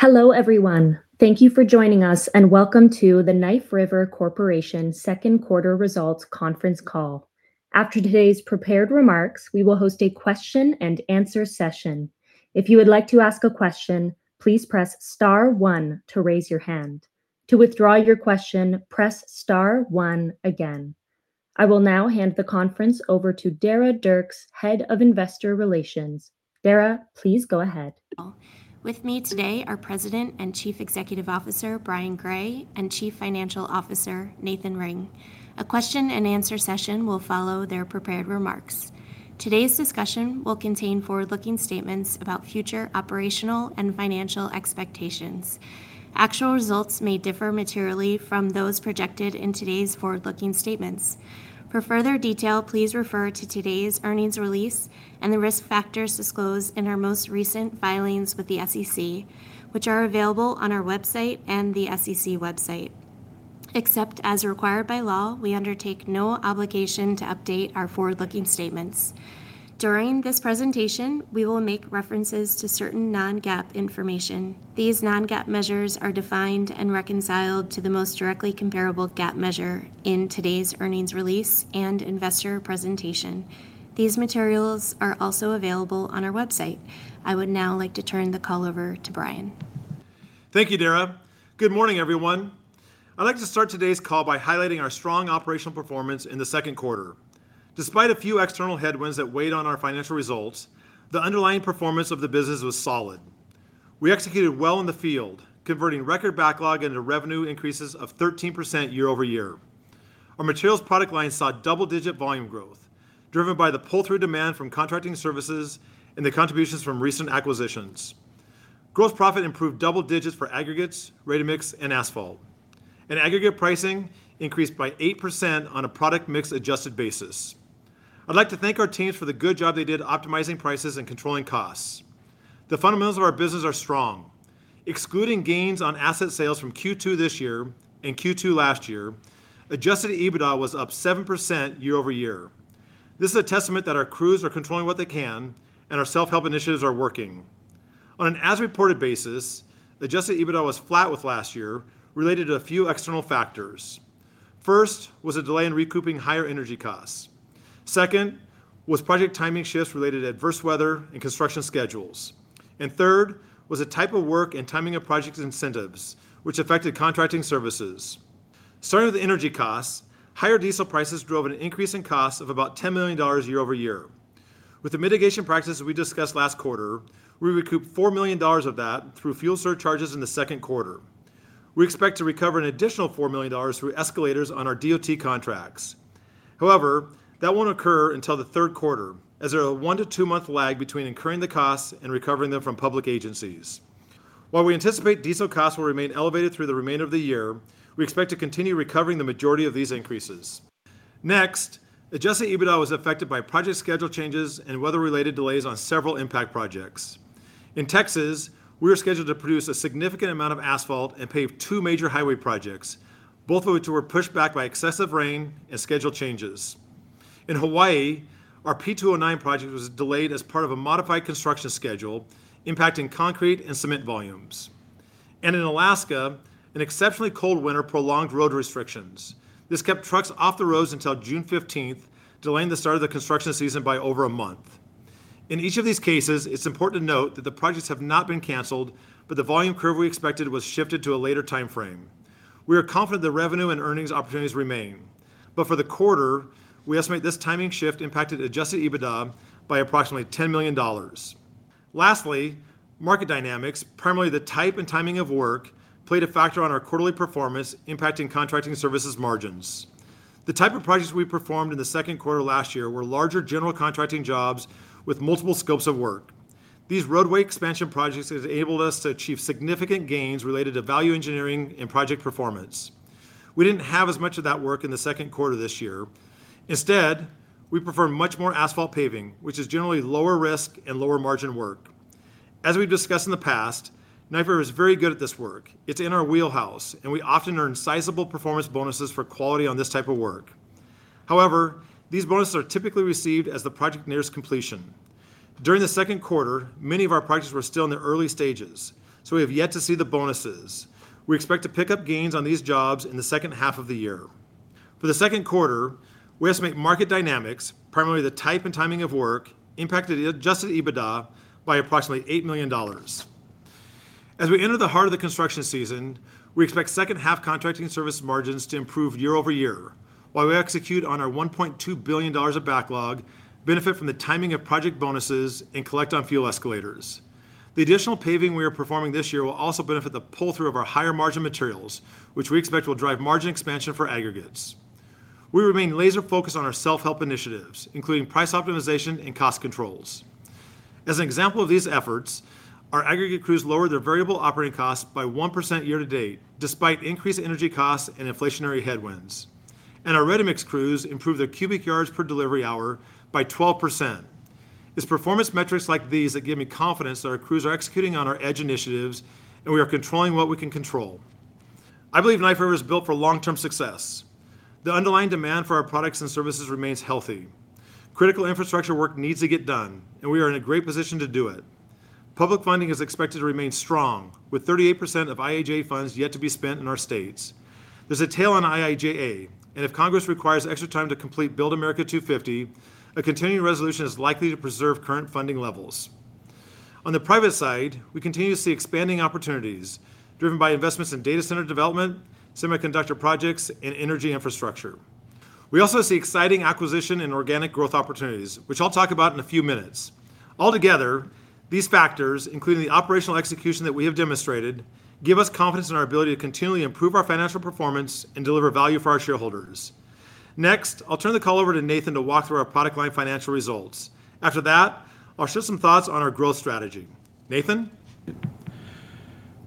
Hello, everyone. Thank you for joining us, and welcome to the Knife River Corporation Q2 results conference call. After today's prepared remarks, we will host a question-and-answer session. If you would like to ask a question, please press star one to raise your hand. To withdraw your question, press star one again. I will now hand the conference over to Dara Dierks, Head of Investor Relations. Dara, please go ahead. With me today are President and Chief Executive Officer, Brian Gray, and Chief Financial Officer, Nathan Ring. A question-and-answer session will follow their prepared remarks. Today's discussion will contain forward-looking statements about future operational and financial expectations. Actual results may differ materially from those projected in today's forward-looking statements. For further detail, please refer to today's earnings release and the risk factors disclosed in our most recent filings with the SEC, which are available on our website and the SEC website. Except as required by law, we undertake no obligation to update our forward-looking statements. During this presentation, we will make references to certain non-GAAP information. These non-GAAP measures are defined and reconciled to the most directly comparable GAAP measure in today's earnings release and investor presentation. These materials are also available on our website. I would now like to turn the call over to Brian. Thank you, Dara. Good morning, everyone. I'd like to start today's call by highlighting our strong operational performance in the Q2. Despite a few external headwinds that weighed on our financial results, the underlying performance of the business was solid. We executed well in the field, converting record backlog into revenue increases of 13% year-over-year. Our materials product line saw double-digit volume growth, driven by the pull-through demand from contracting services and the contributions from recent acquisitions. Gross profit improved double digits for aggregates, ready-mix, and asphalt. Aggregate pricing increased by 8% on a product mix adjusted basis. I'd like to thank our teams for the good job they did optimizing prices and controlling costs. The fundamentals of our business are strong. Excluding gains on asset sales from Q2 this year and Q2 last year, adjusted EBITDA was up 7% year-over-year. This is a testament that our crews are controlling what they can, our self-help initiatives are working. On an as-reported basis, adjusted EBITDA was flat with last year, related to a few external factors. First was a delay in recouping higher energy costs. Second was project timing shifts related to adverse weather and construction schedules. Third was a type of work and timing of projects incentives, which affected contracting services. Starting with the energy costs, higher diesel prices drove an increase in cost of about $10 million year-over-year. With the mitigation practices we discussed last quarter, we recouped $4 million of that through fuel surcharges in the Q2. We expect to recover an additional $4 million through escalators on our DOT contracts. However, that won't occur until the Q3, as there are one to two-month lag between incurring the costs and recovering them from public agencies. While we anticipate diesel costs will remain elevated through the remainder of the year, we expect to continue recovering the majority of these increases. Next, adjusted EBITDA was affected by project schedule changes and weather-related delays on several impact projects. In Texas, we were scheduled to produce a significant amount of asphalt and pave two major highway projects, both of which were pushed back by excessive rain and schedule changes. In Hawaii, our P-209 project was delayed as part of a modified construction schedule, impacting concrete and cement volumes. In Alaska, an exceptionally cold winter prolonged road restrictions. This kept trucks off the roads until June 15th, delaying the start of the construction season by over a month. In each of these cases, it's important to note that the projects have not been canceled, but the volume curve we expected was shifted to a later timeframe. We are confident the revenue and earnings opportunities remain. But for the quarter, we estimate this timing shift impacted adjusted EBITDA by approximately $10 million. Lastly, market dynamics, primarily the type and timing of work, played a factor on our quarterly performance, impacting contracting services margins. The type of projects we performed in the Q2 last year were larger general contracting jobs with multiple scopes of work. These roadway expansion projects enabled us to achieve significant gains related to value engineering and project performance. We didn't have as much of that work in the Q2 this year. Instead, we performed much more asphalt paving, which is generally lower risk and lower margin work. As we've discussed in the past, Knife River is very good at this work. It's in our wheelhouse, and we often earn sizable performance bonuses for quality on this type of work. However, these bonuses are typically received as the project nears completion. During the Q2, many of our projects were still in their early stages, so we have yet to see the bonuses. We expect to pick up gains on these jobs in the H2 of the year. For the Q2, we estimate market dynamics, primarily the type and timing of work, impacted adjusted EBITDA by approximately $8 million. As we enter the heart of the construction season, we expect H2 contracting service margins to improve year-over-year, while we execute on our $1.2 billion of backlog, benefit from the timing of project bonuses, and collect on fuel escalators. The additional paving we are performing this year will also benefit the pull-through of our higher margin materials, which we expect will drive margin expansion for aggregates. We remain laser focused on our self-help initiatives, including price optimization and cost controls. As an example of these efforts, our aggregate crews lowered their variable operating costs by 1% year-to-date, despite increased energy costs and inflationary headwinds. Our ready-mix crews improved their cubic yards per delivery hour by 12%. It's performance metrics like these that give me confidence that our crews are executing on our EDGE initiatives, and we are controlling what we can control. I believe Knife River is built for long-term success. The underlying demand for our products and services remains healthy. Critical infrastructure work needs to get done, and we are in a great position to do it. Public funding is expected to remain strong, with 38% of IIJA funds yet to be spent in our states. There's a tail on IIJA, and if Congress requires extra time to complete BUILD America 250 Act, a continuing resolution is likely to preserve current funding levels. On the private side, we continue to see expanding opportunities driven by investments in data center development, semiconductor projects, and energy infrastructure. We also see exciting acquisition and organic growth opportunities, which I'll talk about in a few minutes. Altogether, these factors, including the operational execution that we have demonstrated, give us confidence in our ability to continually improve our financial performance and deliver value for our shareholders. Next, I'll turn the call over to Nathan to walk through our product line financial results. After that, I'll share some thoughts on our growth strategy. Nathan?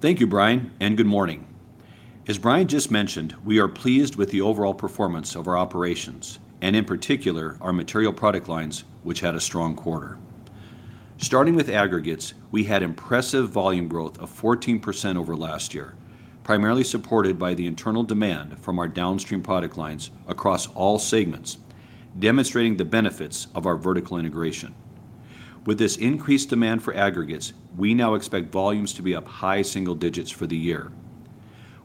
Thank you, Brian, and good morning. As Brian just mentioned, we are pleased with the overall performance of our operations and, in particular, our material product lines, which had a strong quarter. Starting with aggregates, we had impressive volume growth of 14% over last year, primarily supported by the internal demand from our downstream product lines across all segments, demonstrating the benefits of our vertical integration. With this increased demand for aggregates, we now expect volumes to be up high single digits for the year.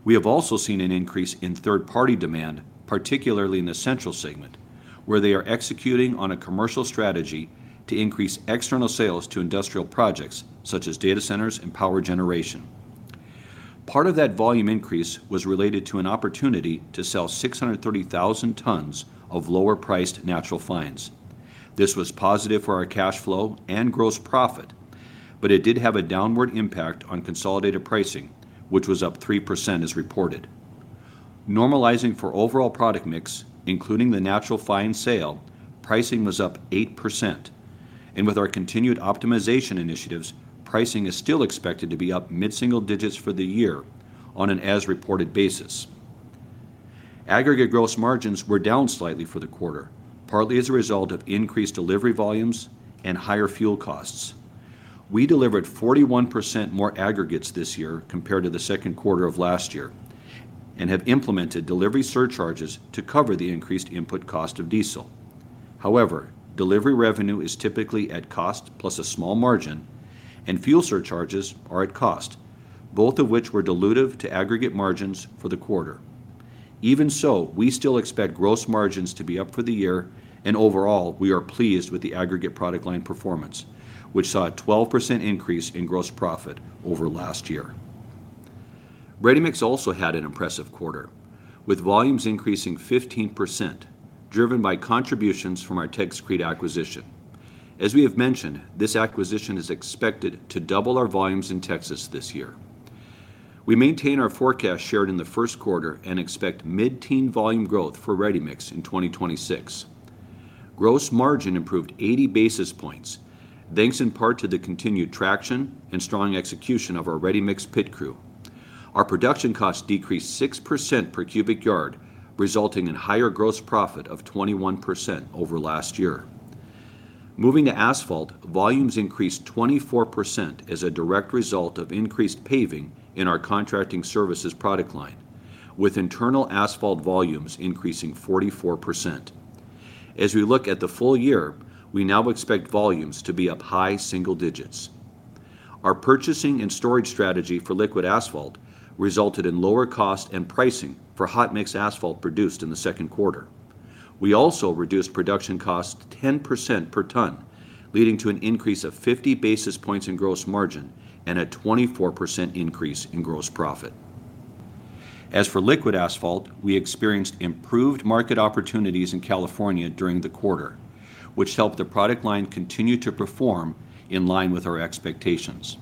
We have also seen an increase in third-party demand, particularly in the Central segment, where they are executing on a commercial strategy to increase external sales to industrial projects, such as data centers and power generation. Part of that volume increase was related to an opportunity to sell 630,000 tons of lower-priced natural fines. This was positive for our cash flow and gross profit, but it did have a downward impact on consolidated pricing, which was up 3% as reported. Normalizing for overall product mix, including the natural fines sale, pricing was up 8%. With our continued optimization initiatives, pricing is still expected to be up mid-single digits for the year on an as-reported basis. Aggregate gross margins were down slightly for the quarter, partly as a result of increased delivery volumes and higher fuel costs. We delivered 41% more aggregates this year compared to the Q2 of last year and have implemented delivery surcharges to cover the increased input cost of diesel. However, delivery revenue is typically at cost plus a small margin, and fuel surcharges are at cost, both of which were dilutive to aggregate margins for the quarter. Even so, we still expect gross margins to be up for the year, and overall, we are pleased with the aggregate product line performance, which saw a 12% increase in gross profit over last year. Ready-mix also had an impressive quarter, with volumes increasing 15%, driven by contributions from our Texcrete acquisition. As we have mentioned, this acquisition is expected to double our volumes in Texas this year. We maintain our forecast shared in the Q1 and expect mid-teen volume growth for ready-mix in 2026. Gross margin improved 80 basis points, thanks in part to the continued traction and strong execution of our ready-mix PIT Crew. Our production cost decreased 6% per cubic yard, resulting in higher gross profit of 21% over last year. Moving to asphalt, volumes increased 24% as a direct result of increased paving in our contracting services product line, with internal asphalt volumes increasing 44%. As we look at the full-year, we now expect volumes to be up high single digits. Our purchasing and storage strategy for liquid asphalt resulted in lower cost and pricing for hot mix asphalt produced in the Q2. We also reduced production cost 10% per ton, leading to an increase of 50 basis points in gross margin and a 24% increase in gross profit. As for liquid asphalt, we experienced improved market opportunities in California during the quarter, which helped the product line continue to perform in line with our expectations.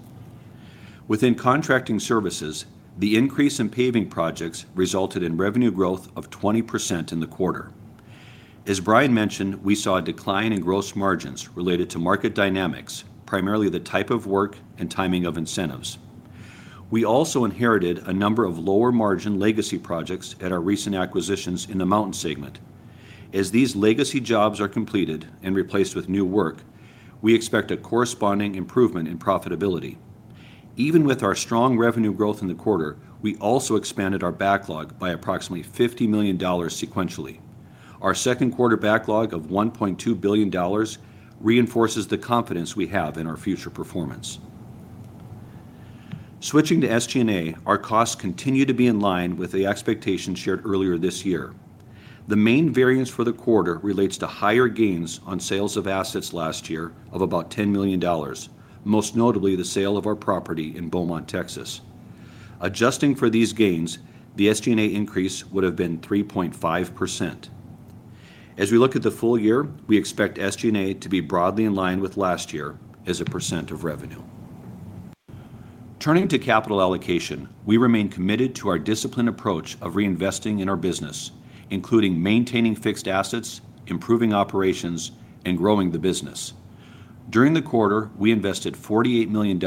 Within contracting services, the increase in paving projects resulted in revenue growth of 20% in the quarter. As Brian mentioned, we saw a decline in gross margins related to market dynamics, primarily the type of work and timing of incentives. We also inherited a number of lower-margin legacy projects at our recent acquisitions in the Mountain segment. These legacy jobs are completed and replaced with new work, we expect a corresponding improvement in profitability. Even with our strong revenue growth in the quarter, we also expanded our backlog by approximately $50 million sequentially. Our Q2 backlog of $1.2 billion reinforces the confidence we have in our future performance. Switching to SG&A, our costs continue to be in line with the expectations shared earlier this year. The main variance for the quarter relates to higher gains on sales of assets last year of about $10 million, most notably the sale of our property in Beaumont, Texas. Adjusting for these gains, the SG&A increase would have been 3.5%. As we look at the full-year, we expect SG&A to be broadly in line with last year as a percent of revenue. Turning to capital allocation, we remain committed to our disciplined approach of reinvesting in our business, including maintaining fixed assets, improving operations, and growing the business. During the quarter, we invested $48 million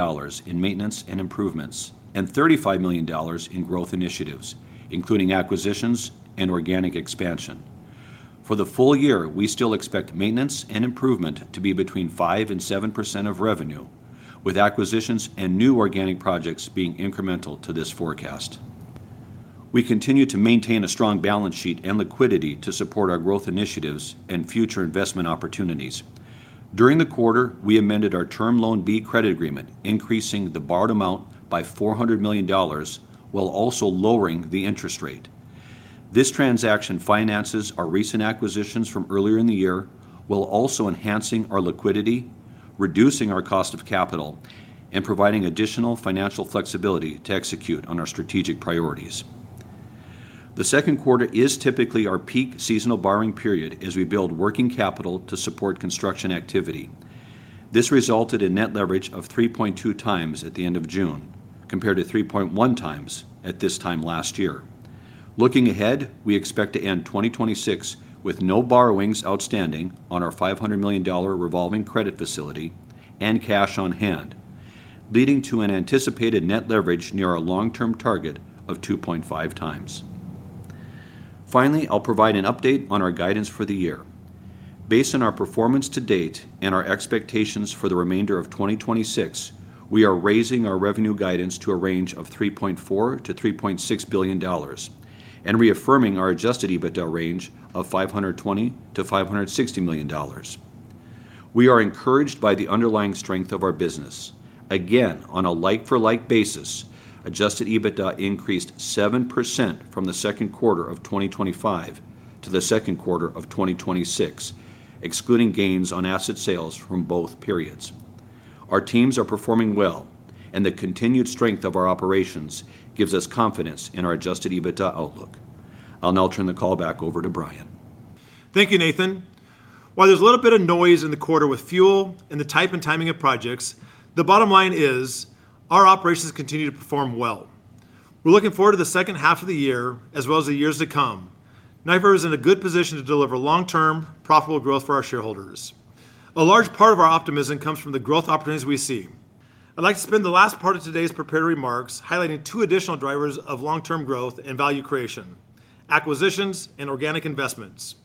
in maintenance and improvements and $35 million in growth initiatives, including acquisitions and organic expansion. For the full-year, we still expect maintenance and improvement to be between 5% and 7% of revenue, with acquisitions and new organic projects being incremental to this forecast. We continue to maintain a strong balance sheet and liquidity to support our growth initiatives and future investment opportunities. During the quarter, we amended our Term Loan B credit agreement, increasing the borrowed amount by $400 million, while also lowering the interest rate. This transaction finances our recent acquisitions from earlier in the year, while also enhancing our liquidity, reducing our cost of capital, and providing additional financial flexibility to execute on our strategic priorities. The Q2 is typically our peak seasonal borrowing period as we build working capital to support construction activity. This resulted in net leverage of 3.2x at the end of June, compared to 3.1x at this time last year. Looking ahead, we expect to end 2026 with no borrowings outstanding on our $500 million revolving credit facility and cash on hand, leading to an anticipated net leverage near our long-term target of 2.5x. Finally, I'll provide an update on our guidance for the year. Based on our performance to date and our expectations for the remainder of 2026, we are raising our revenue guidance to a range of $3.4 billion-$3.6 billion and reaffirming our adjusted EBITDA range of $520 million-$560 million. We are encouraged by the underlying strength of our business. Again, on a like-for-like basis, adjusted EBITDA increased 7% from the Q2 of 2025 to the Q2 of 2026, excluding gains on asset sales from both periods. Our teams are performing well, and the continued strength of our operations gives us confidence in our adjusted EBITDA outlook. I'll now turn the call back over to Brian. Thank you, Nathan. While there's a little bit of noise in the quarter with fuel and the type and timing of projects, the bottom line is our operations continue to perform well. We're looking forward to the H2 of the year as well as the years to come. Knife River is in a good position to deliver long-term, profitable growth for our shareholders. A large part of our optimism comes from the growth opportunities we see. I'd like to spend the last part of today's prepared remarks highlighting two additional drivers of long-term growth and value creation, acquisitions and organic investments.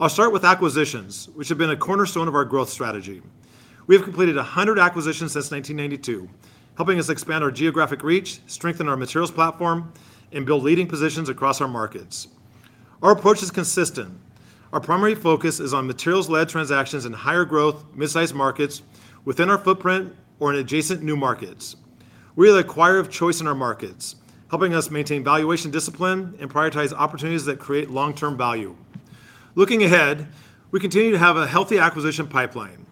I'll start with acquisitions, which have been a cornerstone of our growth strategy. We have completed 100 acquisitions since 1992, helping us expand our geographic reach, strengthen our materials platform, and build leading positions across our markets. Our approach is consistent. Our primary focus is on materials-led transactions in higher growth, mid-sized markets within our footprint or in adjacent new markets. We are the acquirer of choice in our markets, helping us maintain valuation discipline and prioritize opportunities that create long-term value. Looking ahead, we continue to have a healthy acquisition pipeline.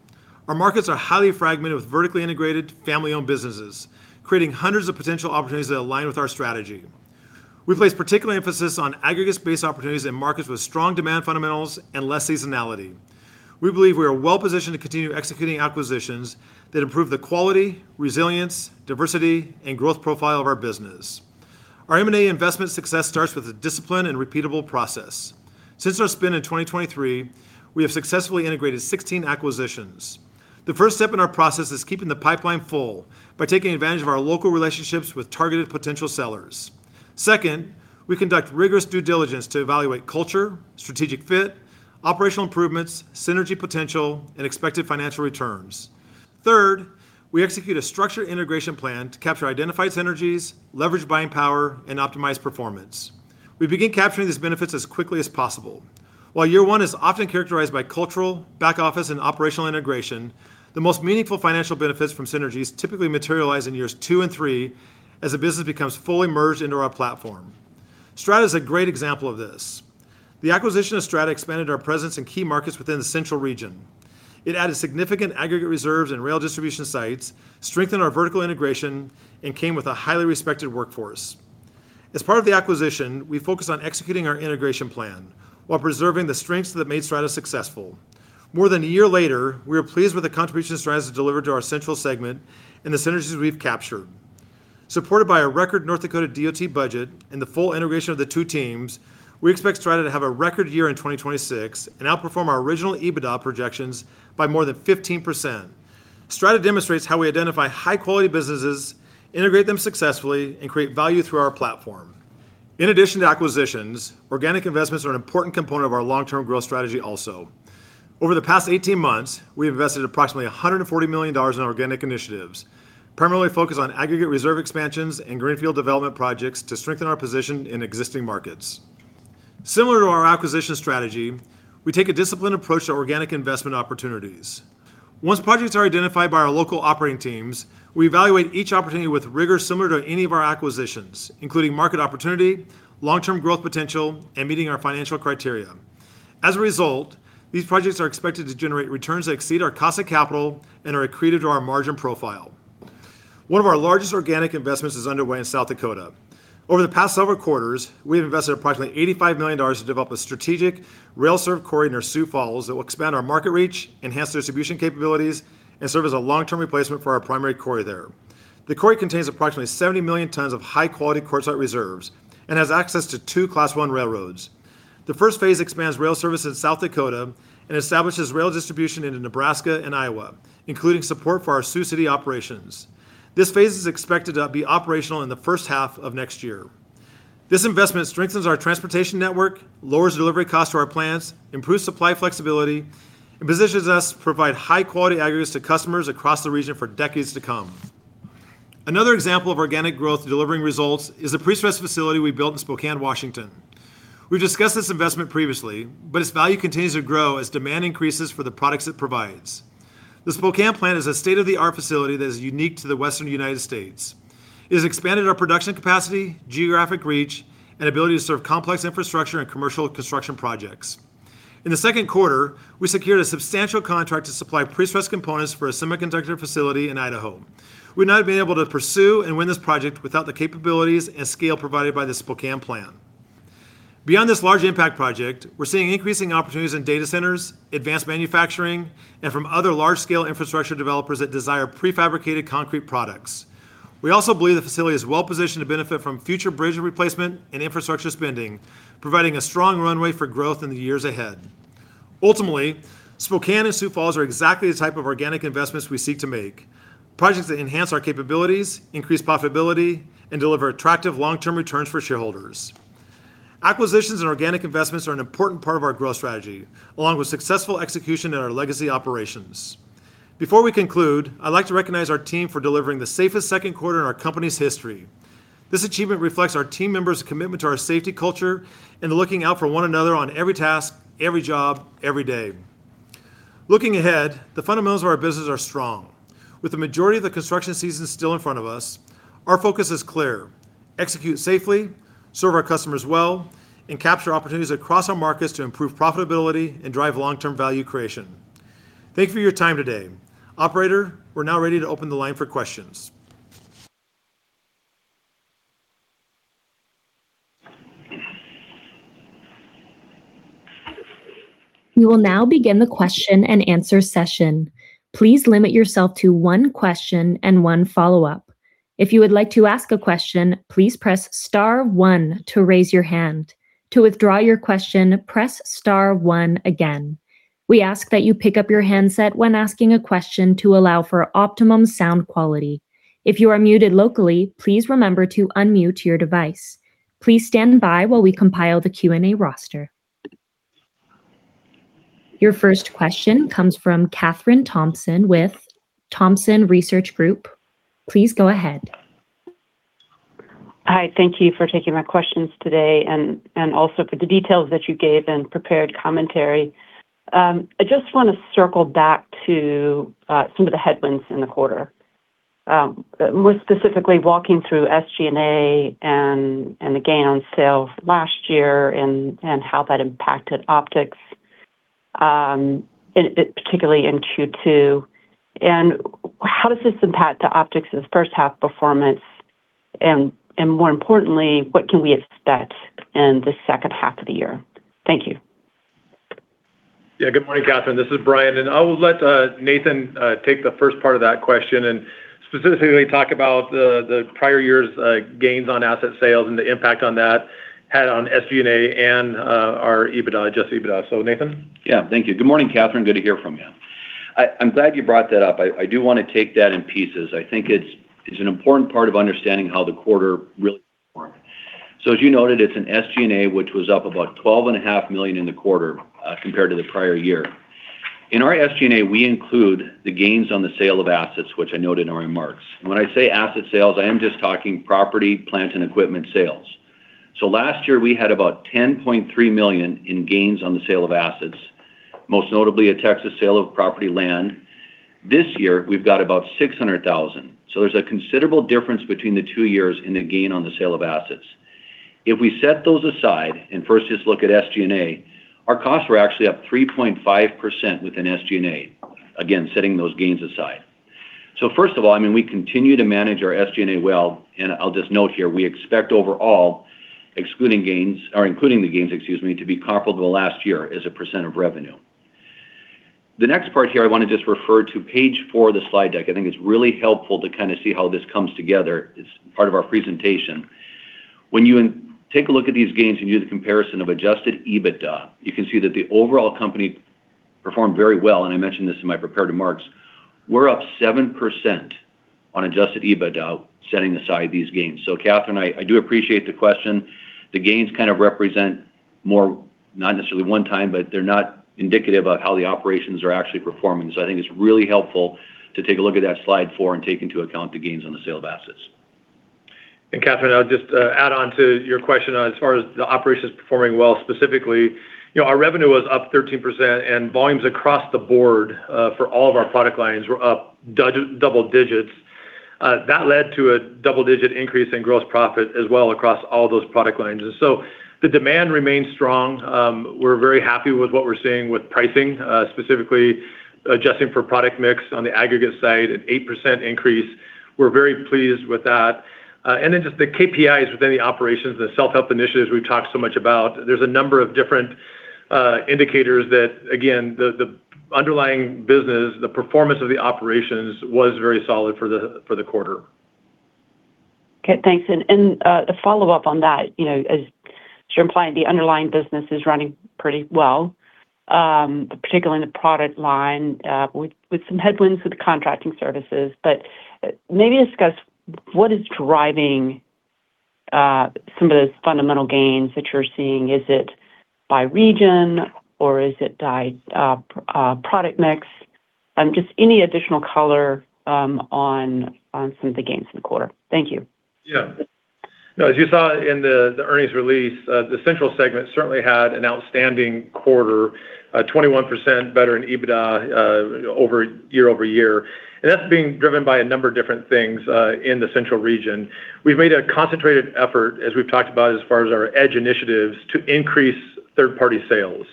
Our markets are highly fragmented with vertically integrated family-owned businesses, creating hundreds of potential opportunities that align with our strategy. We place particular emphasis on aggregates-based opportunities in markets with strong demand fundamentals and less seasonality. We believe we are well positioned to continue executing acquisitions that improve the quality, resilience, diversity, and growth profile of our business. Our M&A investment success starts with a disciplined and repeatable process. Since our spin in 2023, we have successfully integrated 16 acquisitions. The first step in our process is keeping the pipeline full by taking advantage of our local relationships with targeted potential sellers. Second, we conduct rigorous due diligence to evaluate culture, strategic fit, operational improvements, synergy potential, and expected financial returns. Third, we execute a structured integration plan to capture identified synergies, leverage buying power, and optimize performance. We begin capturing these benefits as quickly as possible. While year one is often characterized by cultural, back office, and operational integration, the most meaningful financial benefits from synergies typically materialize in years two and three as a business becomes fully merged into our platform. Strata is a great example of this. The acquisition of Strata expanded our presence in key markets within the central region. It added significant aggregate reserves and rail distribution sites, strengthened our vertical integration, and came with a highly respected workforce. As part of the acquisition, we focused on executing our integration plan while preserving the strengths that made Strata successful. More than a year later, we are pleased with the contribution Strata has delivered to our central segment and the synergies we've captured. Supported by a record North Dakota DOT budget and the full integration of the two teams, we expect Strata to have a record year in 2026 and outperform our original EBITDA projections by more than 15%. Strata demonstrates how we identify high-quality businesses, integrate them successfully, and create value through our platform. In addition to acquisitions, organic investments are an important component of our long-term growth strategy also. Over the past 18 months, we've invested approximately $140 million in organic initiatives, primarily focused on aggregate reserve expansions and greenfield development projects to strengthen our position in existing markets. Similar to our acquisition strategy, we take a disciplined approach to organic investment opportunities. Once projects are identified by our local operating teams, we evaluate each opportunity with rigor similar to any of our acquisitions, including market opportunity, long-term growth potential, and meeting our financial criteria. As a result, these projects are expected to generate returns that exceed our cost of capital and are accretive to our margin profile. One of our largest organic investments is underway in South Dakota. Over the past several quarters, we have invested approximately $85 million to develop a strategic rail served quarry near Sioux Falls that will expand our market reach, enhance distribution capabilities, and serve as a long-term replacement for our primary quarry there. The quarry contains approximately 70 million tons of high-quality quartzite reserves and has access to two Class I railroads. The first phase expands rail service in South Dakota and establishes rail distribution into Nebraska and Iowa, including support for our Sioux City operations. This phase is expected to be operational in the H1 of next year. This investment strengthens our transportation network, lowers delivery costs to our plants, improves supply flexibility, and positions us to provide high-quality aggregates to customers across the region for decades to come. Another example of organic growth delivering results is the prestress facility we built in Spokane, Washington. We've discussed this investment previously, but its value continues to grow as demand increases for the products it provides. The Spokane plant is a state-of-the-art facility that is unique to the Western United States. It has expanded our production capacity, geographic reach, and ability to serve complex infrastructure and commercial construction projects. In the Q2, we secured a substantial contract to supply prestress components for a semiconductor facility in Idaho. We would not have been able to pursue and win this project without the capabilities and scale provided by the Spokane plant. Beyond this large impact project, we're seeing increasing opportunities in data centers, advanced manufacturing, and from other large-scale infrastructure developers that desire prefabricated concrete products. We also believe the facility is well-positioned to benefit from future bridge replacement and infrastructure spending, providing a strong runway for growth in the years ahead. Ultimately, Spokane and Sioux Falls are exactly the type of organic investments we seek to make, projects that enhance our capabilities, increase profitability, and deliver attractive long-term returns for shareholders. Acquisitions and organic investments are an important part of our growth strategy, along with successful execution in our legacy operations. Before we conclude, I'd like to recognize our team for delivering the safest Q2 in our company's history. This achievement reflects our team members' commitment to our safety culture and to looking out for one another on every task, every job, every day. Looking ahead, the fundamentals of our business are strong. With the majority of the construction season still in front of us, our focus is clear: execute safely, serve our customers well, and capture opportunities across our markets to improve profitability and drive long-term value creation. Thank you for your time today. Operator, we're now ready to open the line for questions. We will now begin the question-and-answer session. Please limit yourself to one question and one follow-up. If you would like to ask a question, please press star one to raise your hand. To withdraw your question, press star one again. We ask that you pick up your handset when asking a question to allow for optimum sound quality. If you are muted locally, please remember to unmute your device. Please stand by while we compile the Q&A roster. Your first question comes from Kathryn Thompson with Thompson Research Group. Please go ahead. Hi. Thank you for taking my questions today and also for the details that you gave in prepared commentary. I just want to circle back to some of the headwinds in the quarter. More specifically, walking through SG&A and the gain on sales last year and how that impacted optics, particularly in Q2. How does this impact optics' H1 performance? More importantly, what can we expect in the H2 of the year? Thank you. Yeah. Good morning, Kathryn. This is Brian, I will let Nathan take the first part of that question and specifically talk about the prior year's gains on asset sales and the impact on that had on SG&A and our EBITDA, adjusted EBITDA. Nathan? Yeah. Thank you. Good morning, Kathryn. Good to hear from you. I'm glad you brought that up. I do want to take that in pieces. I think it's an important part of understanding how the quarter really performed. As you noted, it's an SG&A which was up about $12.5 million in the quarter compared to the prior year. In our SG&A, we include the gains on the sale of assets, which I noted in my remarks. When I say asset sales, I am just talking property, plant, and equipment sales. Last year, we had about $10.3 million in gains on the sale of assets, most notably a Texas sale of property land. This year, we've got about $600,000. There's a considerable difference between the two years in the gain on the sale of assets. If we set those aside and first just look at SG&A, our costs were actually up 3.5% within SG&A, again, setting those gains aside. First of all, we continue to manage our SG&A well, and I'll just note here, we expect overall, including the gains, to be comparable to last year as a percent of revenue. The next part here, I want to just refer to page four of the slide deck. I think it's really helpful to see how this comes together as part of our presentation. When you take a look at these gains and do the comparison of adjusted EBITDA, you can see that the overall company performed very well, and I mentioned this in my prepared remarks. We're up 7% on adjusted EBITDA, setting aside these gains. Kathryn, I do appreciate the question. The gains kind of represent more, not necessarily one time, but they're not indicative of how the operations are actually performing. I think it's really helpful to take a look at that slide four and take into account the gains on the sale of assets. Kathryn, I'll just add on to your question. As far as the operations performing well, specifically, our revenue was up 13% and volumes across the board for all of our product lines were up double digits. That led to a double-digit increase in gross profit as well across all those product lines. The demand remains strong. We're very happy with what we're seeing with pricing, specifically adjusting for product mix on the aggregate side, an 8% increase. We're very pleased with that. Just the KPIs within the operations, the self-help initiatives we've talked so much about, there's a number of different indicators that, again, the underlying business, the performance of the operations was very solid for the quarter. Okay, thanks. A follow-up on that. You're implying the underlying business is running pretty well, particularly in the product line, with some headwinds with the contracting services. Maybe discuss what is driving some of those fundamental gains that you're seeing. Is it by region or is it by product mix? Just any additional color on some of the gains in the quarter. Thank you. As you saw in the earnings release, the central segment certainly had an outstanding quarter, 21% better in EBITDA year-over-year. That's being driven by a number of different things in the central region. We've made a concentrated effort, as we've talked about as far as our EDGE initiatives, to increase third-party sales.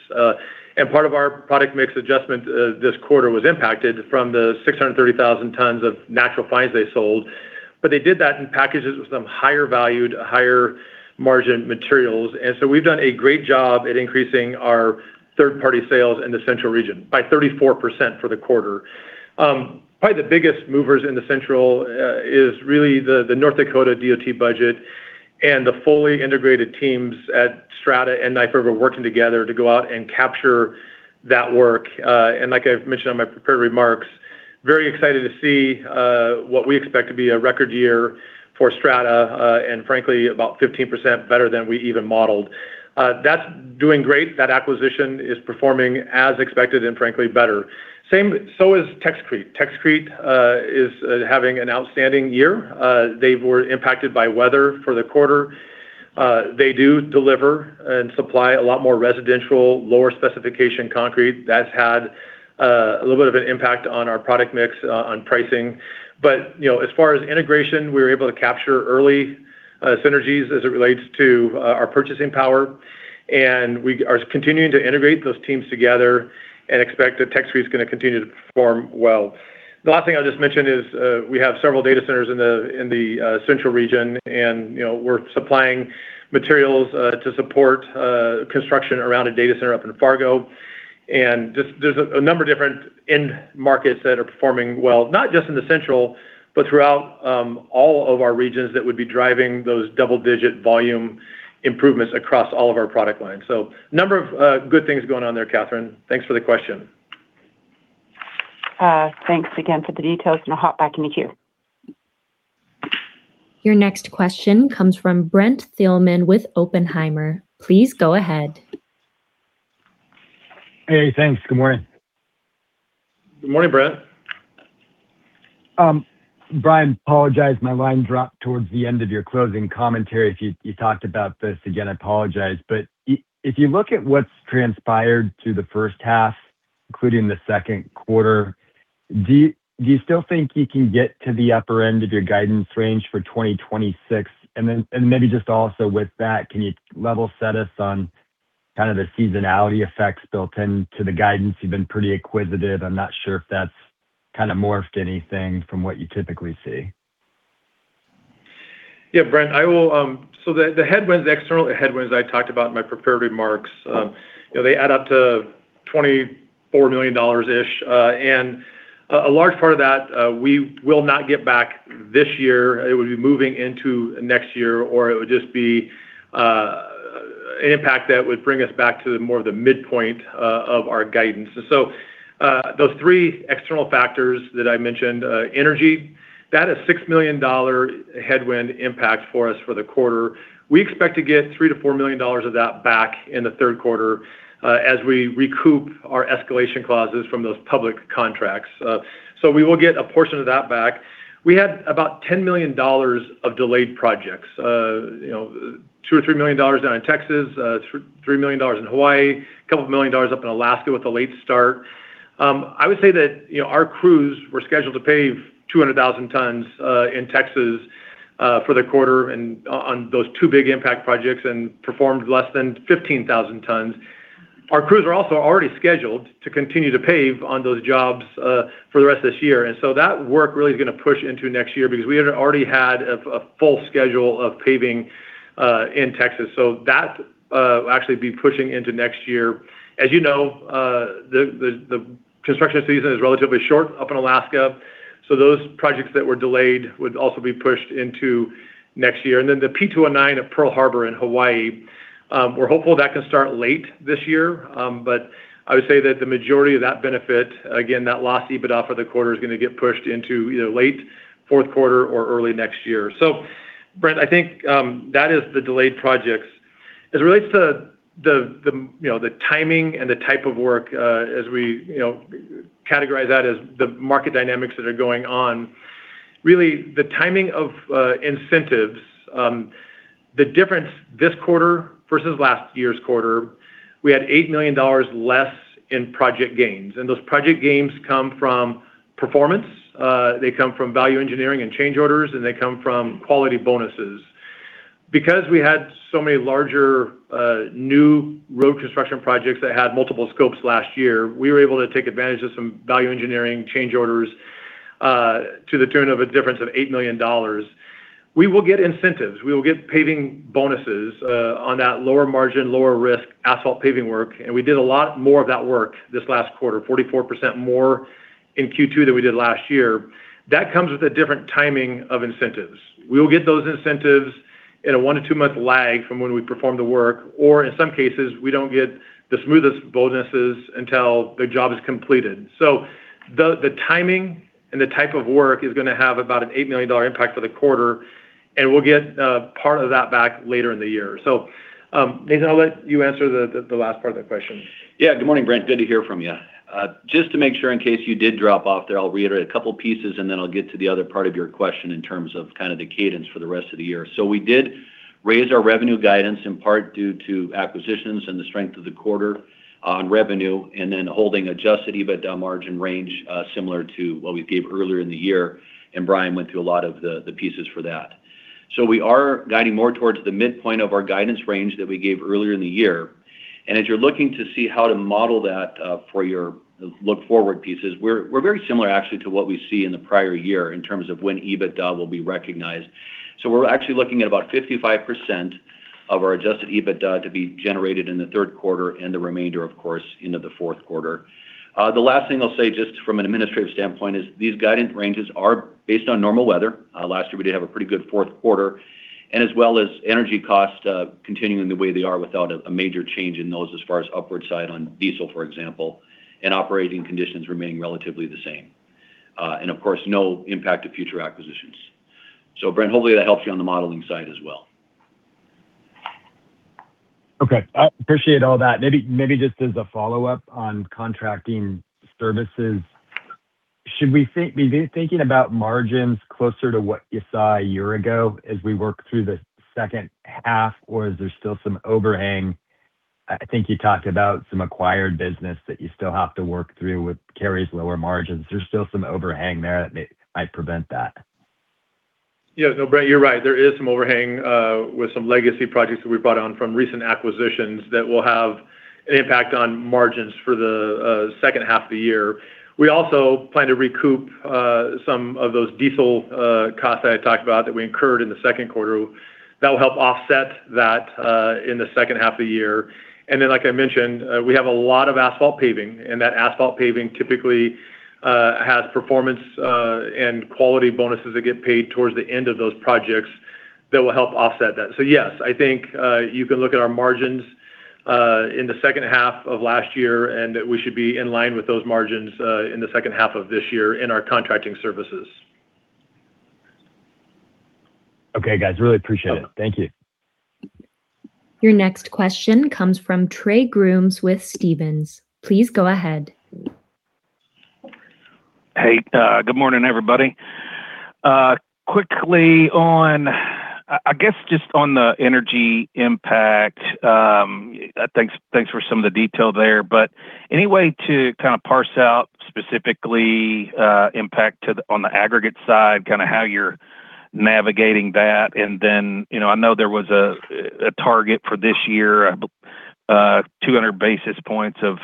Part of our product mix adjustment this quarter was impacted from the 630,000 tons of natural fines they sold. They did that in packages with some higher valued, higher margin materials. We've done a great job at increasing our third-party sales in the central region by 34% for the quarter. Probably the biggest movers in the central is really the North Dakota DOT budget and the fully integrated teams at Strata and Knife River working together to go out and capture that work. Like I mentioned on my prepared remarks, very excited to see what we expect to be a record year for Strata, and frankly, about 15% better than we even modeled. That's doing great. That acquisition is performing as expected and frankly better. So is Texcrete. Texcrete is having an outstanding year. They were impacted by weather for the quarter. They do deliver and supply a lot more residential, lower specification concrete. That's had a little bit of an impact on our product mix on pricing. As far as integration, we were able to capture early synergies as it relates to our purchasing power. We are continuing to integrate those teams together and expect that Texcrete is going to continue to perform well. The last thing I'll just mention is we have several data centers in the central region. We're supplying materials to support construction around a data center up in Fargo. There's a number of different end markets that are performing well, not just in the central, but throughout all of our regions that would be driving those double-digit volume improvements across all of our product lines. A number of good things going on there, Kathryn. Thanks for the question. Thanks again for the details, I'll hop back in the queue. Your next question comes from Brent Thielman with Oppenheimer. Please go ahead. Hey, thanks. Good morning. Good morning, Brent. Brian, apologize, my line dropped towards the end of your closing commentary. If you talked about this again, I apologize. If you look at what's transpired through the H1, including the Q2, do you still think you can get to the upper end of your guidance range for 2026? Then maybe just also with that, can you level set us on kind of the seasonality effects built into the guidance? You've been pretty acquisitive. I am not sure if that is kind of morphed anything from what you typically see. Yeah, Brent. The external headwinds I talked about in my prepared remarks, they add up to $24 million-ish. A large part of that, we will not get back this year. It would be moving into next year, or it would just be an impact that would bring us back to more of the midpoint of our guidance. Those three external factors that I mentioned. Energy, that is a $6 million headwind impact for us for the quarter. We expect to get $3 million-$4 million of that back in the Q3 as we recoup our escalation clauses from those public contracts. We will get a portion of that back. We had about $10 million of delayed projects. $2 million or $3 million down in Texas, $3 million in Hawaii, a couple of million dollars up in Alaska with a late start. I would say that our crews were scheduled to pave 200,000 tons in Texas for the quarter and on those two big impact projects and performed less than 15,000 tons. Our crews are also already scheduled to continue to pave on those jobs for the rest of this year, and that work really is going to push into next year because we had already had a full schedule of paving in Texas. That will actually be pushing into next year. As you know, the construction season is relatively short up in Alaska. Those projects that were delayed would also be pushed into next year. Then the P-209 at Pearl Harbor in Hawaii, we are hopeful that can start late this year. I would say that the majority of that benefit, again, that lost EBITDA for the quarter is going to get pushed into either late Q4 or early next year. Brent, I think that is the delayed projects. As it relates to the timing and the type of work, as we categorize that as the market dynamics that are going on. Really, the timing of incentives, the difference this quarter versus last year's quarter, we had $8 million less in project gains. Those project gains come from performance, they come from value engineering and change orders, and they come from quality bonuses. Because we had so many larger, new road construction projects that had multiple scopes last year, we were able to take advantage of some value engineering change orders to the tune of a difference of $8 million. We will get incentives. We will get paving bonuses on that lower margin, lower risk asphalt paving work. We did a lot more of that work this last quarter, 44% more In Q2 that we did last year, that comes with a different timing of incentives. We will get those incentives in a one to two-month lag from when we perform the work, or in some cases, we don't get the smoothest bonuses until the job is completed. The timing and the type of work is going to have about an $8 million impact for the quarter, and we'll get part of that back later in the year. Nathan, I'll let you answer the last part of the question. Yeah. Good morning, Brent. Good to hear from you. Just to make sure, in case you did drop off there, I'll reiterate a couple pieces and then I'll get to the other part of your question in terms of the cadence for the rest of the year. We did raise our revenue guidance in part due to acquisitions and the strength of the quarter on revenue, and then holding adjusted EBITDA margin range, similar to what we gave earlier in the year, and Brian went through a lot of the pieces for that. We are guiding more towards the midpoint of our guidance range that we gave earlier in the year. As you're looking to see how to model that for your look forward pieces, we're very similar, actually, to what we see in the prior year in terms of when EBITDA will be recognized. We're actually looking at about 55% of our adjusted EBITDA to be generated in the Q3 and the remainder, of course, into the Q4. The last thing I'll say, just from an administrative standpoint, is these guidance ranges are based on normal weather. Last year, we did have a pretty good Q4. As well as energy costs continuing the way they are without a major change in those as far as upward side on diesel, for example, and operating conditions remaining relatively the same. Of course, no impact to future acquisitions. Brent, hopefully that helps you on the modeling side as well. Okay. I appreciate all that. Maybe just as a follow-up on contracting services, should we be thinking about margins closer to what you saw a year ago as we work through the H2? Or is there still some overhang? I think you talked about some acquired business that you still have to work through with carries lower margins. There is still some overhang there that might prevent that. Yeah. No, Brent, you're right. There is some overhang with some legacy projects that we brought on from recent acquisitions that will have an impact on margins for the H2 of the year. We also plan to recoup some of those diesel costs that I talked about that we incurred in the Q2. That will help offset that in the H2 of the year. Like I mentioned, we have a lot of asphalt paving, and that asphalt paving typically has performance and quality bonuses that get paid towards the end of those projects that will help offset that. Yes, I think you can look at our margins in the H2 of last year, and that we should be in line with those margins, in the H2 of this year in our contracting services. Okay, guys. Really appreciate it. Thank you. Your next question comes from Trey Grooms with Stephens. Please go ahead. Good morning, everybody. Quickly on the energy impact, thanks for some of the detail there. Any way to kind of parse out specifically impact on the aggregate side, how you're navigating that, and then, I know there was a target for this year, 200 basis points of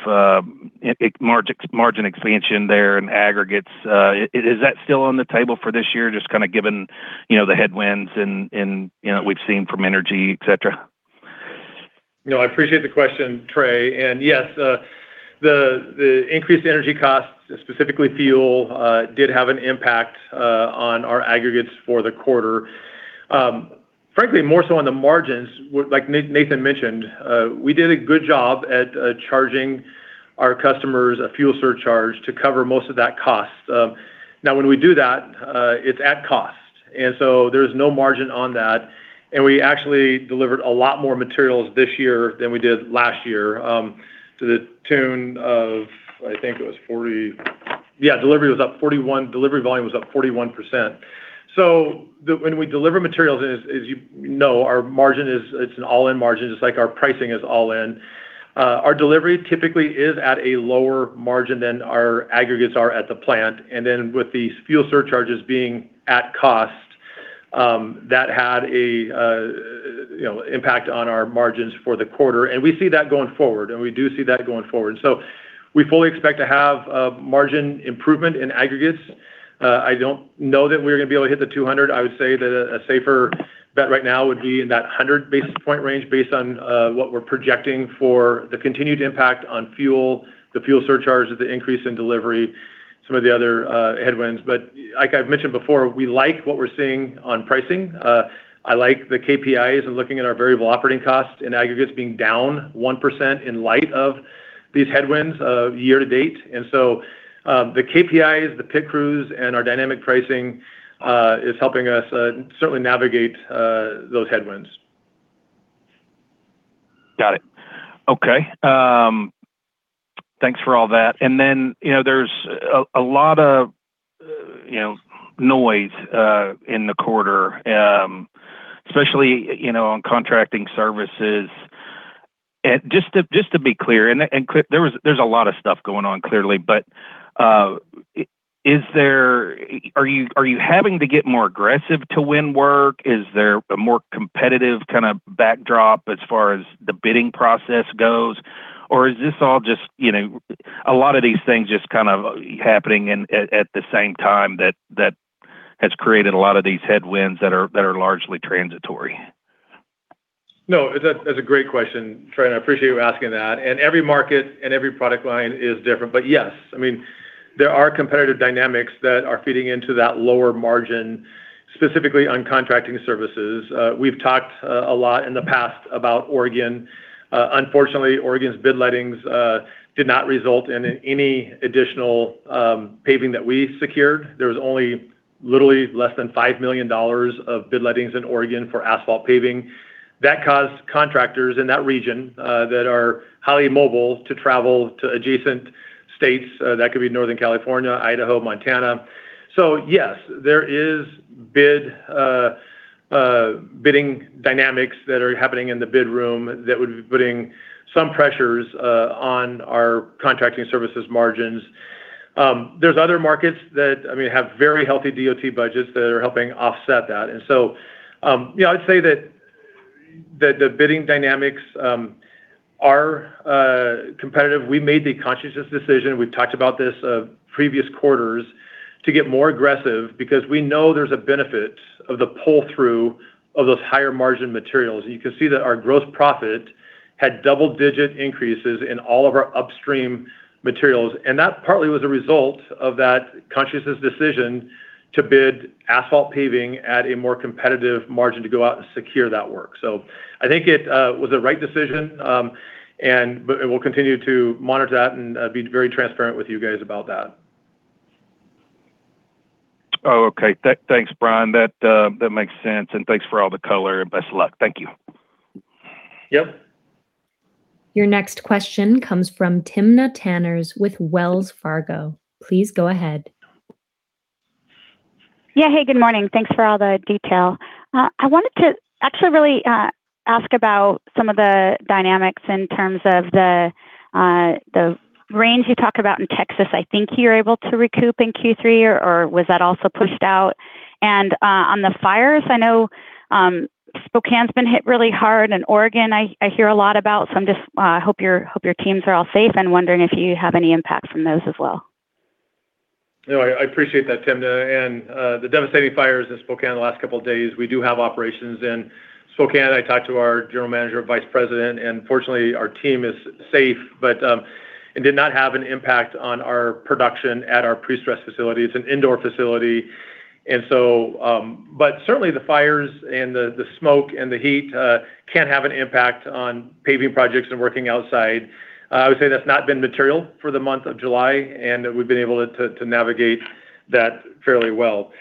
margin expansion there and aggregates. Is that still on the table for this year, just given the headwinds we've seen from energy, et cetera? I appreciate the question, Trey. Yes, the increased energy costs, specifically fuel, did have an impact on our aggregates for the quarter. Frankly, more so on the margins, like Nathan mentioned, we did a good job at charging our customers a fuel surcharge to cover most of that cost. Now when we do that, it's at cost. There's no margin on that, and we actually delivered a lot more materials this year than we did last year, to the tune of, I think it was delivery volume was up 41%. When we deliver materials, as you know, our margin is an all-in margin, just like our pricing is all in. Our delivery typically is at a lower margin than our aggregates are at the plant. With these fuel surcharges being at cost, that had an impact on our margins for the quarter. We see that going forward. We fully expect to have a margin improvement in aggregates. I don't know that we're going to be able to hit the 200. I would say that a safer bet right now would be in that 100 basis point range based on what we're projecting for the continued impact on fuel, the fuel surcharge with the increase in delivery, some of the other headwinds. Like I've mentioned before, we like what we're seeing on pricing. I like the KPIs and looking at our variable operating costs and aggregates being down 1% in light of these headwinds year-to-date. The KPIs, the PIT Crews, and our dynamic pricing is helping us certainly navigate those headwinds. Got it. Okay. Thanks for all that. There's a lot of noise in the quarter, especially on contracting services. Just to be clear, and there's a lot of stuff going on, clearly, but are you having to get more aggressive to win work? Is there a more competitive kind of backdrop as far as the bidding process goes? Is this all just a lot of these things just kind of happening at the same time that has created a lot of these headwinds that are largely transitory? No, that's a great question, Trey. I appreciate you asking that. Every market and every product line is different. Yes, there are competitive dynamics that are feeding into that lower margin, specifically on contracting services. We've talked a lot in the past about Oregon. Unfortunately, Oregon's bid lettings did not result in any additional paving that we secured. There was only literally less than $5 million of bid lettings in Oregon for asphalt paving. That caused contractors in that region that are highly mobile to travel to adjacent states. That could be Northern California, Idaho, Montana. Yes, there is bidding dynamics that are happening in the bid room that would be putting some pressures on our contracting services margins. There's other markets that have very healthy DOT budgets that are helping offset that. I'd say that the bidding dynamics are competitive. We made the conscious decision, we've talked about this previous quarters, to get more aggressive because we know there's a benefit of the pull-through of those higher margin materials. You can see that our gross profit had double-digit increases in all of our upstream materials. That partly was a result of that conscious decision to bid asphalt paving at a more competitive margin to go out and secure that work. I think it was the right decision, and we'll continue to monitor that and be very transparent with you guys about that. Oh, okay. Thanks, Brian. That makes sense, thanks for all the color. Best of luck. Thank you. Yep. Your next question comes from Timna Tanners with Wells Fargo. Please go ahead. Yeah. Hey, good morning. Thanks for all the detail. I wanted to actually really ask about some of the dynamics in terms of the range you talked about in Texas. I think you're able to recoup in Q3, or was that also pushed out? On the fires, I know Spokane's been hit really hard, and Oregon I hear a lot about. I hope your teams are all safe and wondering if you have any impact from those as well. No, I appreciate that, Timna. The devastating fires in Spokane the last couple of days, we do have operations in Spokane. I talked to our general manager, vice president, and fortunately, our team is safe, but it did not have an impact on our production at our prestress facility. It's an indoor facility. Certainly, the fires and the smoke and the heat can have an impact on paving projects and working outside. I would say that's not been material for the month of July, and we've been able to navigate that fairly well.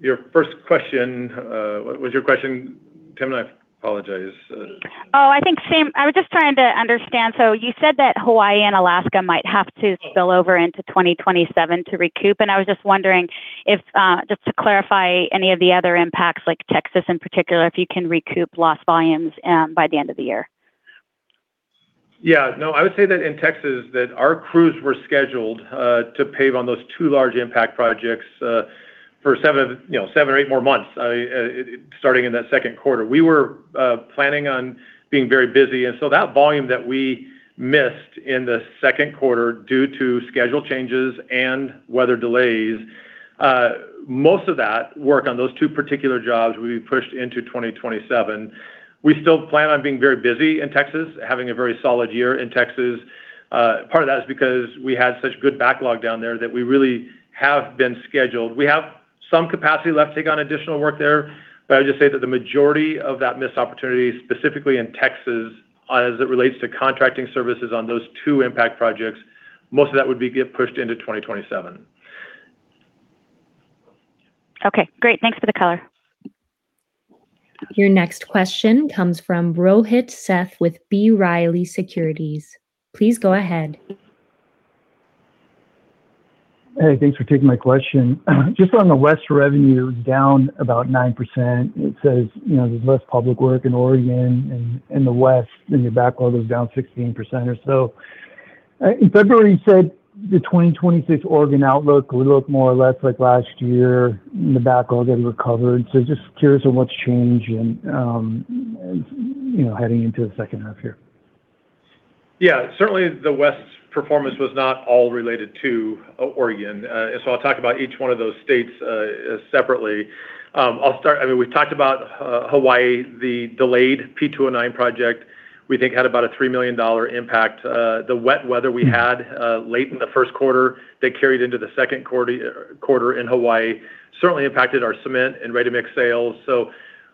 Your first question, what was your question, Timna? I apologize. Oh, I think same. I was just trying to understand. You said that Hawaii and Alaska might have to spill over into 2027 to recoup, and I was just wondering if, just to clarify any of the other impacts, like Texas in particular, if you can recoup lost volumes by the end of the year. Yeah. No, I would say that in Texas, that our crews were scheduled to pave on those two large impact projects for seven or eight more months, starting in that Q2. We were planning on being very busy. That volume that we missed in the Q2 due to schedule changes and weather delays, most of that work on those two particular jobs will be pushed into 2027. We still plan on being very busy in Texas, having a very solid year in Texas. Part of that is because we had such good backlog down there that we really have been scheduled. We have some capacity left to take on additional work there. I'd just say that the majority of that missed opportunity, specifically in Texas, as it relates to contracting services on those two impact projects, most of that would be get pushed into 2027. Okay, great. Thanks for the color. Your next question comes from Rohit Seth with B. Riley Securities. Please go ahead. Hey, thanks for taking my question. Just on the West revenue down about 9%, it says there's less public work in Oregon and in the West, and your backlog was down 16% or so. In February, you said the 2026 Oregon outlook would look more or less like last year, and the backlog had recovered. Just curious on what's changed and heading into the H2 here. Yeah. Certainly, the West's performance was not all related to Oregon. I'll talk about each one of those states separately. We've talked about Hawaii, the delayed P-209 project we think had about a $3 million impact. The wet weather we had late in the Q1 that carried into the Q2 in Hawaii certainly impacted our cement and ready-mix sales.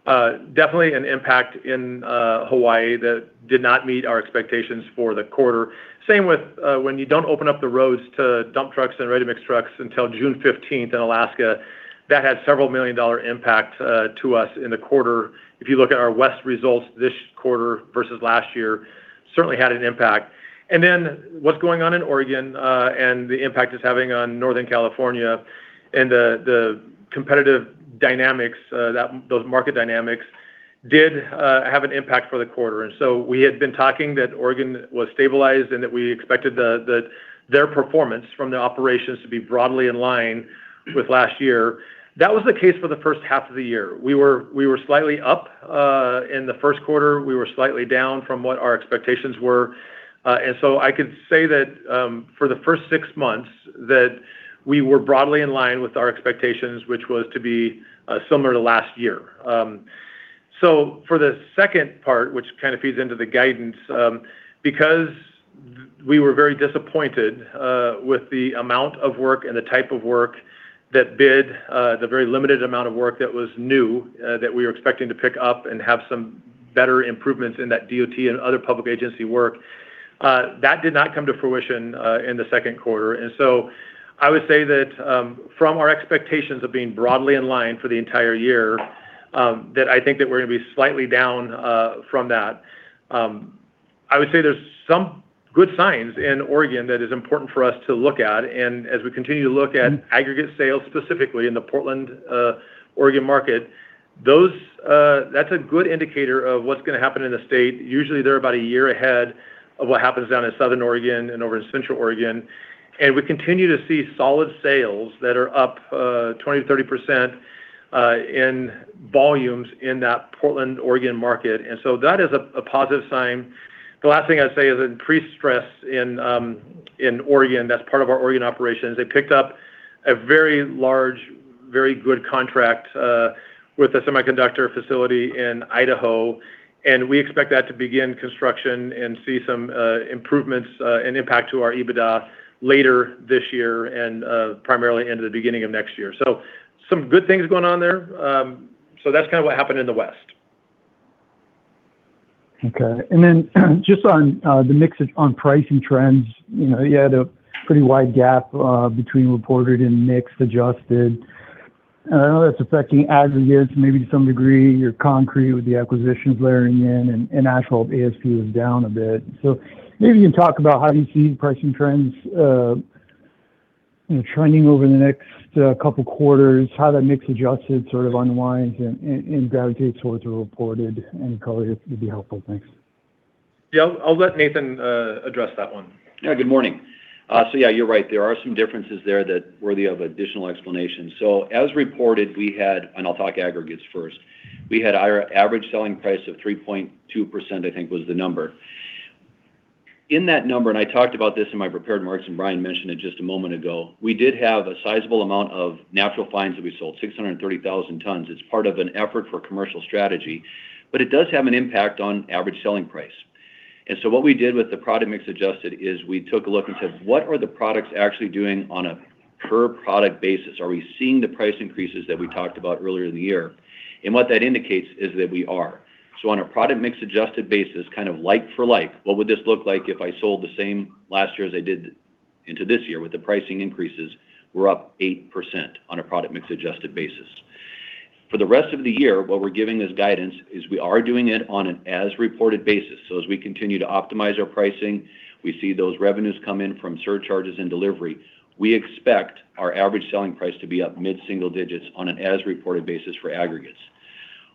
Definitely an impact in Hawaii that did not meet our expectations for the quarter. Same with when you don't open up the roads to dump trucks and ready-mix trucks until June 15th in Alaska. That had several million dollar impact to us in the quarter. If you look at our West results this quarter versus last year, certainly had an impact. What's going on in Oregon, and the impact it's having on Northern California, and the competitive dynamics, those market dynamics, did have an impact for the quarter. We had been talking that Oregon was stabilized and that we expected their performance from the operations to be broadly in line with last year. That was the case for the H1 of the year. We were slightly up, in the Q1, we were slightly down from what our expectations were. I could say that, for the first six months that we were broadly in line with our expectations, which was to be similar to last year. For the second part, which kind of feeds into the guidance, because we were very disappointed with the amount of work and the type of work that bid, the very limited amount of work that was new, that we were expecting to pick up and have some better improvements in that DOT and other public agency work, that did not come to fruition in the Q2. I would say that from our expectations of being broadly in line for the entire year, that I think that we're going to be slightly down from that. I would say there's some good signs in Oregon that is important for us to look at. As we continue to look at aggregate sales, specifically in the Portland, Oregon market, that's a good indicator of what's going to happen in the state. Usually they're about a year ahead of what happens down in Southern Oregon and over in Central Oregon. We continue to see solid sales that are up 20% to 30% in volumes in that Portland, Oregon market. That is a positive sign. The last thing I'd say is in prestress in Oregon, that's part of our Oregon operations, they picked up a very large, very good contract with a semiconductor facility in Idaho, and we expect that to begin construction and see some improvements and impact to our EBITDA later this year and primarily into the beginning of next year. Some good things going on there. That's kind of what happened in the West. Okay. Just on the mixes on pricing trends, you had a pretty wide gap between reported and mix adjusted. I know that's affecting aggregates maybe to some degree, your concrete with the acquisitions layering in, and asphalt ASP was down a bit. Maybe you can talk about how you see pricing trends trending over the next couple of quarters, how that mix adjusted sort of unwinds and gravitates towards the reported end color. It'd be helpful. Thanks. I'll let Nathan address that one. Good morning. You're right. There are some differences there that worthy of additional explanation. As reported, we had, and I'll talk aggregates first, we had our average selling price of 3.2%, I think was the number. In that number, and I talked about this in my prepared remarks, and Brian mentioned it just a moment ago, we did have a sizable amount of natural fines that we sold, 630,000 tons. It's part of an effort for commercial strategy, but it does have an impact on average selling price. What we did with the product mix adjusted is we took a look and said, "What are the products actually doing on a per product basis? Are we seeing the price increases that we talked about earlier in the year?" What that indicates is that we are. On a product mix adjusted basis, kind of like for like, what would this look like if I sold the same last year as I did into this year with the pricing increases, we're up 8% on a product mix adjusted basis. For the rest of the year, what we're giving as guidance is we are doing it on an as reported basis. As we continue to optimize our pricing, we see those revenues come in from surcharges and delivery. We expect our average selling price to be up mid-single digits on an as reported basis for aggregates.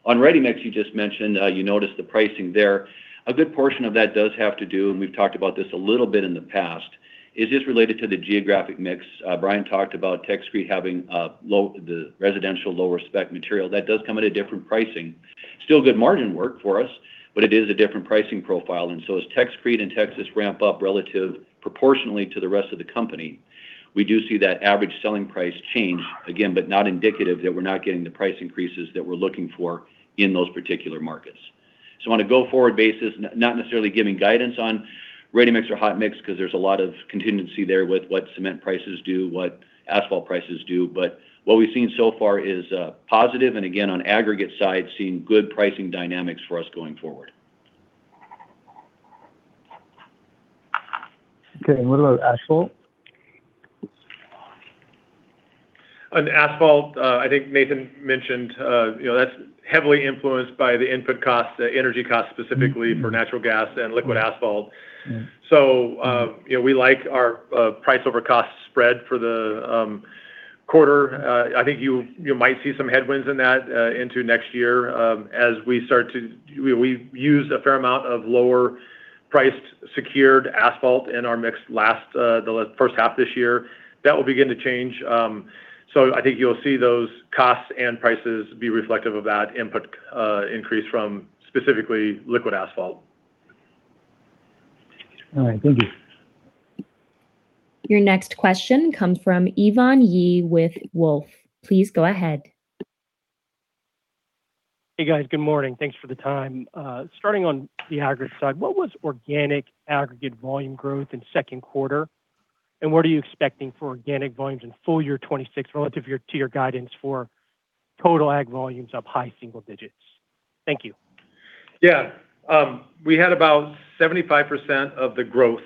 On ready-mix, you just mentioned you noticed the pricing there. A good portion of that does have to do, and we've talked about this a little bit in the past, is just related to the geographic mix. Brian talked about Texcrete having the residential lower spec material. That does come at a different pricing. Still good margin work for us, but it is a different pricing profile. As Texcrete and Texas ramp up relative proportionally to the rest of the company, we do see that average selling price change again, but not indicative that we're not getting the price increases that we're looking for in those particular markets. On a go-forward basis, not necessarily giving guidance on ready-mix or hot mix because there's a lot of contingency there with what cement prices do, what asphalt prices do. What we've seen so far is positive and again, on aggregate side, seeing good pricing dynamics for us going forward. Okay, what about asphalt? On asphalt, I think Nathan mentioned that's heavily influenced by the input costs, the energy costs specifically for natural gas and liquid asphalt. We like our price over cost spread for the quarter. I think you might see some headwinds in that into next year. We've used a fair amount of lower priced, secured asphalt in our mix the H1 of this year. That will begin to change. I think you'll see those costs and prices be reflective of that input increase from specifically liquid asphalt. All right. Thank you. Your next question comes from Ivan Yi with Wolfe. Please go ahead. Hey, guys. Good morning. Thanks for the time. Starting on the aggregates side, what was organic aggregates volume growth in Q2, and what are you expecting for organic volumes in full-year 2026 relative to your guidance for total aggregates volumes up high single digits? Thank you. Yeah. We had about 75% of the growth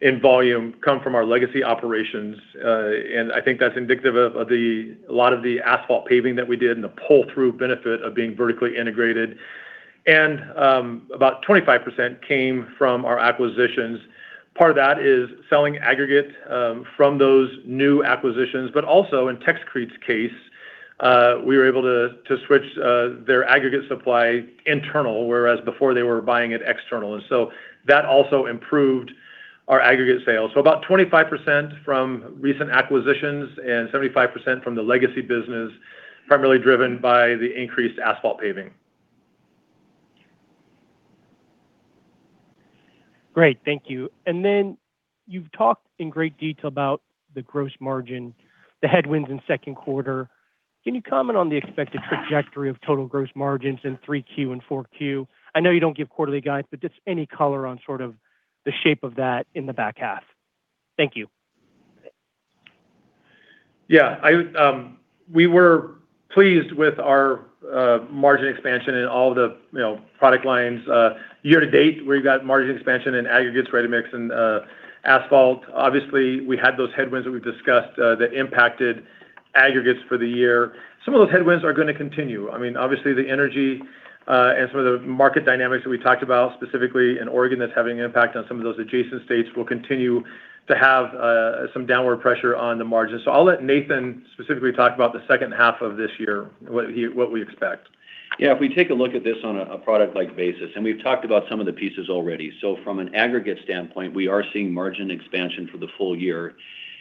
in volume come from our legacy operations. I think that's indicative of a lot of the asphalt paving that we did and the pull-through benefit of being vertically integrated. About 25% came from our acquisitions. Part of that is selling aggregate from those new acquisitions, but also in Texcrete's case, we were able to switch their aggregate supply internal, whereas before they were buying it external. So that also improved our aggregate sales. So about 25% from recent acquisitions and 75% from the legacy business, primarily driven by the increased asphalt paving. Great. Thank you. You've talked in great detail about the gross margin, the headwinds in Q2. Can you comment on the expected trajectory of total gross margins in Q3 and Q4? I know you don't give quarterly guides, but just any color on the shape of that in the back half. Thank you. We were pleased with our margin expansion in all the product lines. Year-to-date, we've got margin expansion in aggregates, ready-mix, and asphalt. We had those headwinds that we've discussed that impacted aggregates for the year. Some of those headwinds are going to continue. The energy and some of the market dynamics that we talked about, specifically in Oregon that's having an impact on some of those adjacent states, will continue to have some downward pressure on the margins. I'll let Nathan specifically talk about the H2 of this year, what we expect. If we take a look at this on a product line basis, we've talked about some of the pieces already. From an aggregate standpoint, we are seeing margin expansion for the full-year.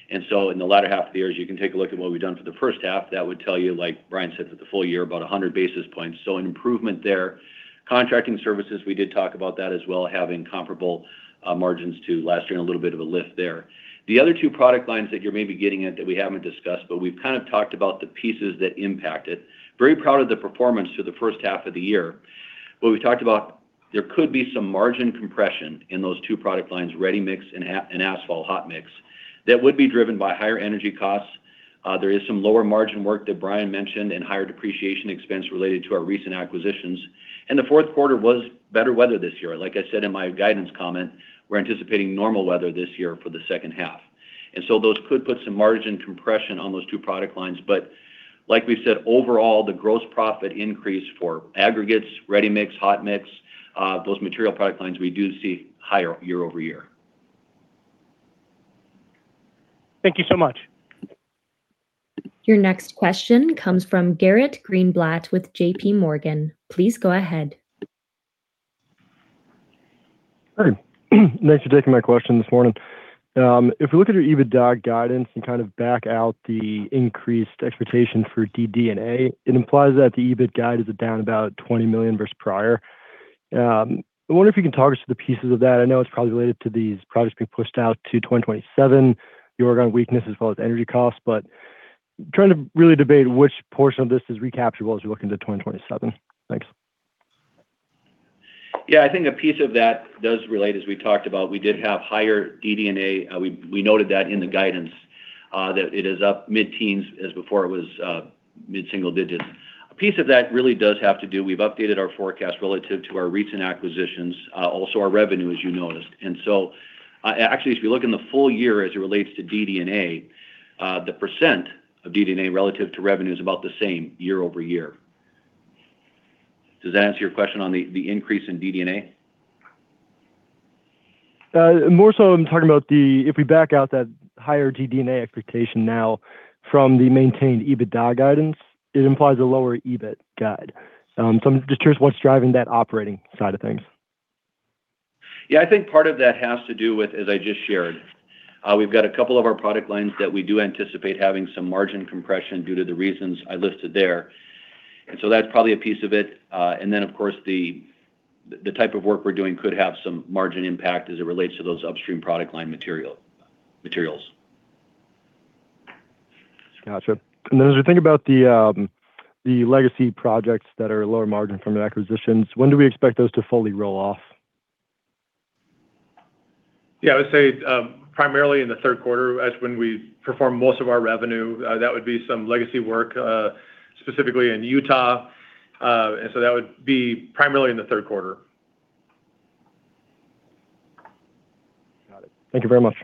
In the latter half of the year, as you can take a look at what we've done for the H1, that would tell you, like Brian said, for the full-year, about 100 basis points. An improvement there. Contracting services, we did talk about that as well, having comparable margins to last year and a little bit of a lift there. The other two product lines that you're maybe getting at that we haven't discussed, but we've talked about the pieces that impact it. Very proud of the performance through the H1 of the year. What we talked about, there could be some margin compression in those two product lines, ready-mix and asphalt hot mix, that would be driven by higher energy costs. There is some lower margin work that Brian mentioned and higher depreciation expense related to our recent acquisitions. The Q4 was better weather this year. Like I said in my guidance comment, we're anticipating normal weather this year for the H2. Those could put some margin compression on those two product lines. Like we said, overall, the gross profit increase for aggregates, ready-mix, hot mix, those material product lines we do see higher year-over-year. Thank you so much. Your next question comes from Garrett Greenblatt with JPMorgan. Please go ahead. Hi. Thanks for taking my question this morning. If we look at your EBITDA guidance and back out the increased expectation for DD&A, it implies that the EBIT guide is down about $20 million versus prior. I wonder if you can talk us through the pieces of that. I know it's probably related to these projects being pushed out to 2027, the Oregon weakness, as well as energy costs. Trying to really debate which portion of this is recapturable as we look into 2027. Thanks. Yeah, I think a piece of that does relate, as we talked about. We did have higher DD&A. We noted that in the guidance, that it is up mid-teens, as before it was mid-single digits. A piece of that really does have to do, we've updated our forecast relative to our recent acquisitions, also our revenue, as you noticed. Actually, as we look in the full-year as it relates to DD&A, the percent of DD&A relative to revenue is about the same year-over-year. Does that answer your question on the increase in DD&A? More so I'm talking about the, if we back out that higher DD&A expectation now from the maintained EBITDA guidance, it implies a lower EBIT guide. I'm just curious what's driving that operating side of things. Yeah, I think part of that has to do with, as I just shared. We've got a couple of our product lines that we do anticipate having some margin compression due to the reasons I listed there. That's probably a piece of it. Of course, the type of work we're doing could have some margin impact as it relates to those upstream product line materials. Got you. As we think about the legacy projects that are lower margin from the acquisitions, when do we expect those to fully roll off? Yeah, I would say primarily in the Q3. That's when we perform most of our revenue. That would be some legacy work, specifically in Utah. That would be primarily in the Q3. Got it. Thank you very much.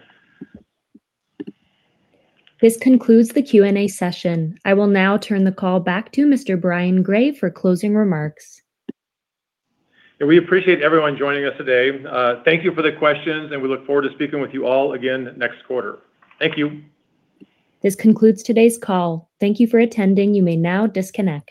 This concludes the Q&A session. I will now turn the call back to Mr. Brian Gray for closing remarks. We appreciate everyone joining us today. Thank you for the questions, and we look forward to speaking with you all again next quarter. Thank you. This concludes today's call. Thank you for attending. You may now disconnect.